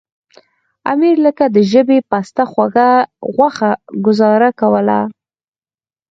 امیر لکه د ژبې پسته غوښه ګوزاره کوله.